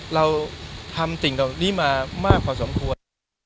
เราทำสิ่งเหล่านี้มามากพอสมควร